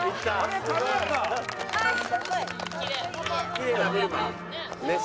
きれいなブルマ。